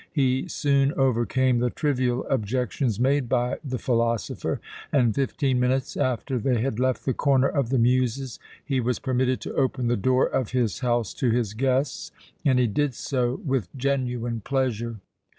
He soon overcame the trivial objections made by the philosopher and, fifteen minutes after they had left the Corner of the Muses, he was permitted to open the door of his house to his guests, and he did so with genuine pleasure.